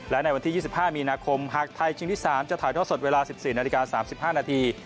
และในวันที่๒๕มีนาคมหากไทยชิงที่๓จะถ่ายท่อสดเวลา๑๔นาฬิกา๓๕นาที